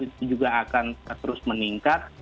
demografi itu juga akan terus meningkat